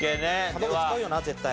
卵使うよな絶対。